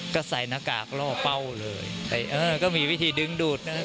ก็ใส่หน้ากากล่อเป้าเลยเออก็มีวิธีดึงดูดนะครับ